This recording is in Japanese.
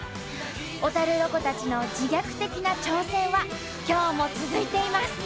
小ロコたちの自虐的な挑戦は今日も続いています。